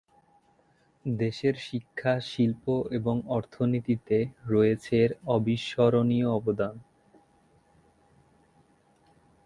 দেশের শিক্ষা, শিল্প এবং অর্থনীতিতে রয়েছে এর অবিস্মরণীয় অবদান।